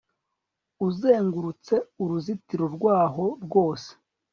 uzengurutse uruzitiro rwaho rwose